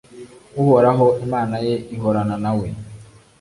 uhoraho, imana ye, ihorana na we.